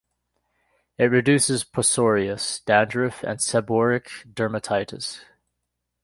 It reduces psoriasis, dandruff, and seborrheic dermatitis.